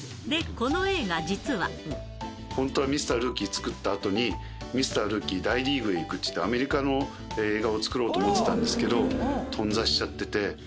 本当はミスター・ルーキー作ったあとに、ミスター・ルーキー大リーグへ行くっていって、アメリカの映画を作ろうと思ってたんですけど、頓挫しちゃってて。